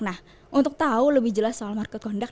nah untuk tahu lebih jelas soal market conduct